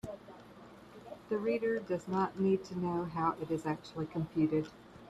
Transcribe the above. The reader does not need to know how it is actually computed.